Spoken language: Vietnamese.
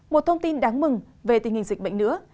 một thông tin đáng mừng về tình hình dịch bệnh nữa